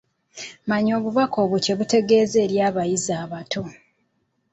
Manya obubaka obwo kye butegeeza eri abayizi abato.